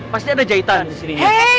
pasti ada jahitan disini